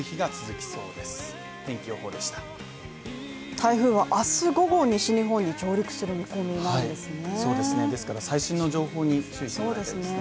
台風は明日午後西日本に上陸する見込みなんですね。